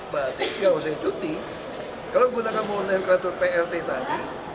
berarti kalau saya cuti kalau gue tak mau menangkat prt tadi